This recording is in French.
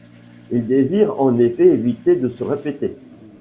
Il désire en effet éviter de se répéter.